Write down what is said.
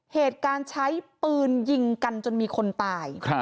เหตุการณ์ใช้ปืนยิงกันจนมีคนตาย